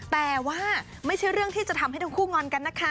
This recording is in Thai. แต่ว่าไม่ใช่เรื่องที่จะทำให้ทั้งคู่งอนกันนะคะ